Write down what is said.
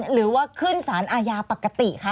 หรือว่าขึ้นสารอาญาปกติคะ